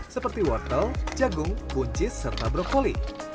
seperti wortel jagung buncis serta brokoli